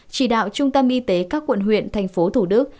chỉ đạo trung tâm y tế các quận huyện tp thủ đức